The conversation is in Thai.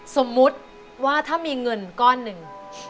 สมมุติว่าถ้ามีเงินก้อนหนึ่ง